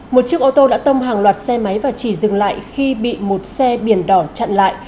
một chiếc ô tô đã tông hàng loạt xe máy và chỉ dừng lại khi bị một xe biển đỏ chặn lại